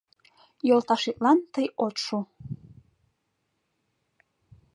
Йолташетлан тый от шу.